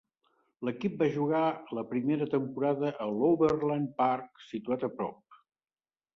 L'equip va jugar la primera temporada a l'Overland Park, situat a prop.